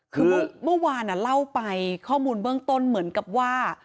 คือเมื่อวานเล่าไปข้อมูลเบื้องต้นเหมือนกับว่า